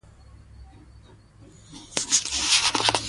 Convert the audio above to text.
د خلکو ګډون نظام ته ځواک ورکوي